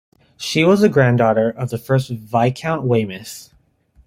She was the granddaughter of the first Viscount Weymouth.